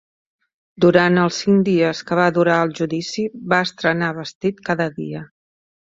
Durant els cinc dies que va durar el judici, va estrenar vestit cada dia.